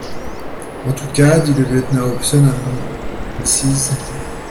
En tout cas, dit le lieutenant Hobson à Mrs.